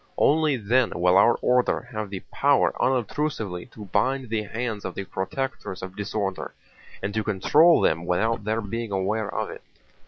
Only then will our order have the power unobtrusively to bind the hands of the protectors of disorder and to control them without their being aware of it.